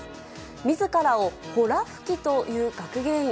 みずからをほら吹きという学芸員。